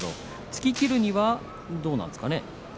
突ききるにはどうなんですか。